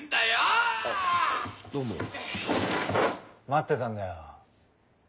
待ってたんだよ。